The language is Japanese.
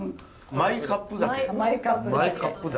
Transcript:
マイカップ酒。